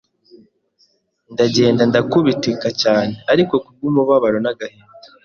ndagenda ndakubitika cyane ariko kubw’umubabaro n’agahinda